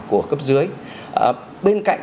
của cấp dưới bên cạnh